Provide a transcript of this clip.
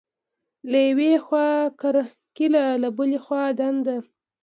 له یوې خوا کرکیله، له بلې دنده.